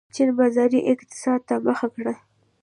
چین بازاري اقتصاد ته مخه کړه.